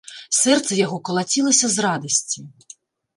Сэрца яго калацілася з радасці.